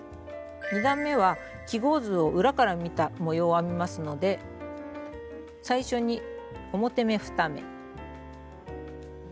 ２段めは記号図を裏から見た模様を編みますので最初に表目２目。